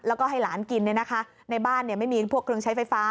แล้วก็ให้หลานกินในบ้านไม่มีพวกเครื่องใช้ไฟฟ้า